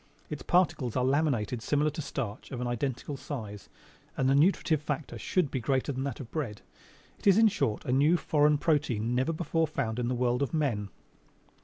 Its particles are laminated similar to starch, of an identical size, and the nutritive factor should be greater than that of bread. It is, in short, a new, a foreign protein never before found in this world of men!"